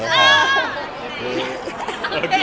ขอบคุณครับ